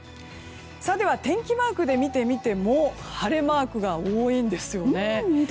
では天気マークで見てみても晴れマークが多いんですね。